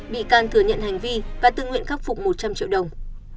bị can thừa nhận hành vi và tự nguyện khắc phục một trăm linh triệu đồng